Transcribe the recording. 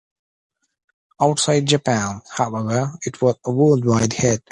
Outside Japan, however, it was a worldwide hit.